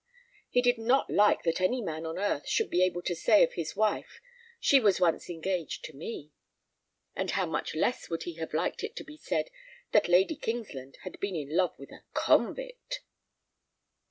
He did not like that any man on earth should be able to say of his wife, "She was once engaged to me;" and how much less would he have liked it to be said that Lady Kingsland had been in love with a _convict!